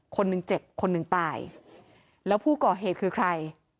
คนเจ็บคนหนึ่งตายแล้วผู้ก่อเหตุคือใคร